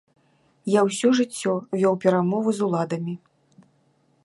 Я ўсё жыццё вёў перамовы з уладамі!